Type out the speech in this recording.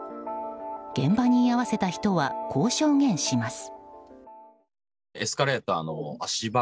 現場に居合わせた人はこう証言します。